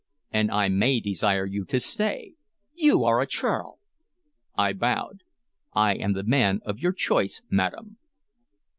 "And I may desire you to stay." "You are a churl!" I bowed. "I am the man of your choice, madam."